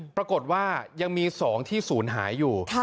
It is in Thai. ปรากฏว่ายังมี๒ที่ศูนย์หายอยู่